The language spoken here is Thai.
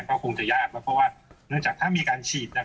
ก็คงจะยากนะเพราะว่าเนื่องจากถ้ามีการฉีด